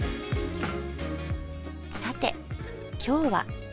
さて今日は。